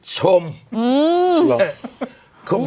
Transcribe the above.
ชมหรือส่องดูสิชม